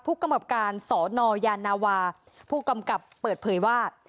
ผู้กำกับการสนยานาวาผู้กำกับเปิดเผยว่า